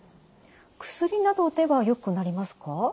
薬などではよくなりますか？